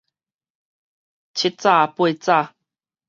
七早八早